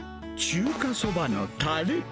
中華そばのたれ。